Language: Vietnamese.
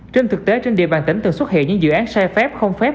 trên thực tế trên địa bàn tỉnh từng xuất hiện những dự án sai phép không phép